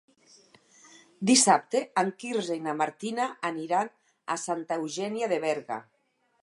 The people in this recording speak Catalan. Dissabte en Quirze i na Martina aniran a Santa Eugènia de Berga.